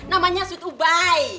namanya sweet ubai